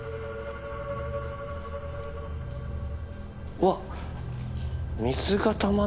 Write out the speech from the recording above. うわっ。